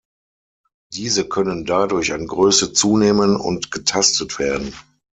Diese können dadurch an Größe zunehmen und getastet werden.